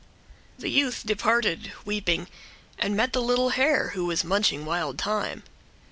The youth departed, weeping, and met the little hare, who was munching wild thyme.